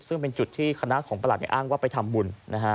ซึ่งเป็นจุดที่คณะของประหลัดอ้างว่าไปทำบุญนะฮะ